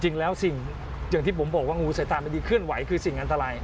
จริงแล้วสิ่งที่ผมบอกว่างูสายตามันดีเคลื่อนไหวคือสิ่งอันตราย